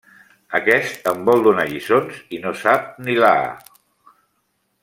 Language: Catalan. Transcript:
Aquest em vol donar lliçons i no sap ni la a.